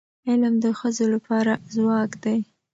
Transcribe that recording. علم د ښځو لپاره ځواک دی.